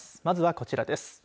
まずは、こちらです。